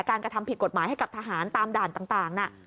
กระทำผิดกฎหมายให้กับทหารตามด่านต่างน่ะ